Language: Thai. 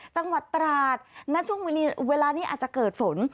จังหวัดตราดณช่วงเวลานี้อาจจะเกิดฝน